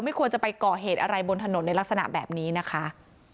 ควรจะไปก่อเหตุอะไรบนถนนในลักษณะแบบนี้นะคะ